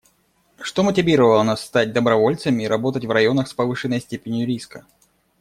Что мотивировало нас стать добровольцами и работать в районах с повышенной степенью риска?